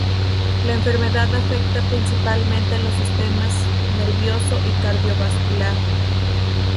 La enfermedad afecta principalmente los sistemas nervioso y cardiovascular.